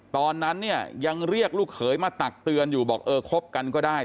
ตอนนั้นเนี่ยยังเรียกลูกเขยมาตักเตือนอยู่บอกเออคบกันก็ได้